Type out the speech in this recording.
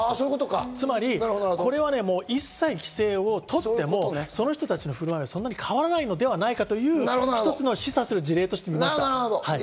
つまりこれは、一切規制をとっても、その人たちの振る舞いはそんなに変わらないのではないかという一つの示唆する事例として。